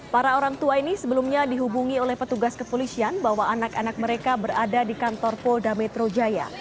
para orang tua ini sebelumnya dihubungi oleh petugas kepolisian bahwa anak anak mereka berada di kantor polda metro jaya